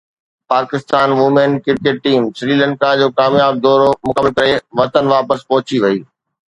Pakistan women cricket team Sri Lanka جو ڪامياب دورو مڪمل ڪري وطن واپس پهچي وئي